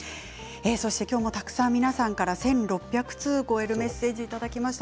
今日もたくさん皆さんから１６００通を超えるメッセージいただきました。